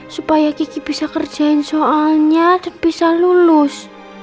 supaya kiki bisa kerjain soalnya dan bisa lulus